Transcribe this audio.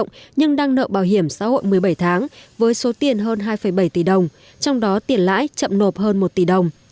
công ty cổ phần xây dựng đường bộ số một hà tĩnh có chín mươi bốn lao động nhưng đang nợ bảo hiểm xã hội một mươi bảy tháng với số tiền hơn hai bảy tỷ đồng trong đó tiền lãi chậm nộp hơn một tỷ đồng